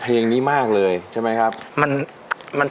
เเกิดอะไรขึ้นก่อน